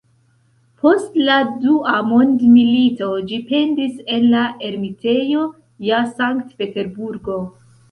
Post la Dua Mondmilito ĝi pendis en la Ermitejo je Sankt-Peterburgo.